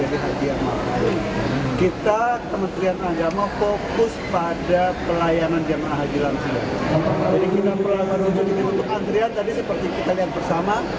jadi untuk andrian tadi seperti kita lihat bersama